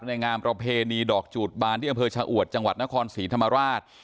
งามประเพณีดอกจูดบานที่อำเภอชะอวดจังหวัดนครศรีธรรมราช